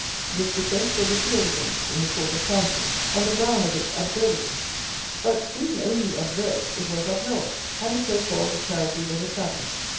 This bequest was appealed against in the Court of Chancery, on the ground of its absurdity; but, being only absurd, it was upheld, and the so called charity was established.